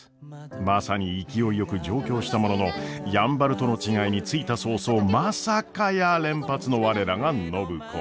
まさに勢いよく上京したもののやんばるとの違いに着いた早々まさかやー連発の我らが暢子。